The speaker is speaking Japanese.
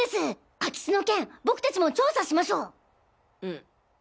空き巣の件僕達も調査しましょう！